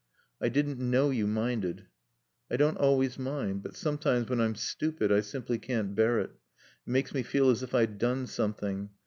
"I didn't know you minded." "I don't always mind. But sometimes, when I'm stupid, I simply can't bear it. It makes me feel as if I'd done something.